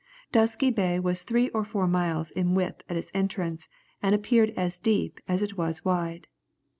Dusky Bay was three or four miles in width at its entrance, and appeared as deep as it was wide.